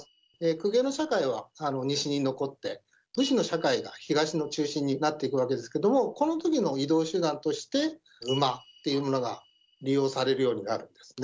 公家の社会は西に残って武士の社会が東の中心になっていくわけですけどもこの時の移動手段として馬っていうものが利用されるようになるんですね。